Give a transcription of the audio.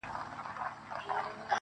په څو ځلي مي ستا د مخ غبار مات کړی دی~